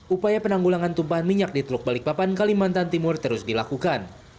upaya penanggulangan tumpahan minyak di teluk balikpapan kalimantan timur terus dilakukan